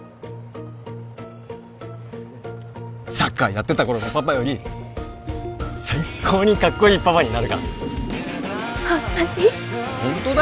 サッカーやってた頃のパパより最高にカッコいいパパになるからホントに？